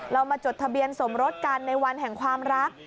เรามาจดทะเบียนสมรสกันในวันแห่งความรัก